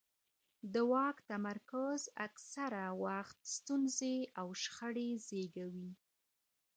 د واک تمرکز اکثره وخت ستونزې او شخړې زیږوي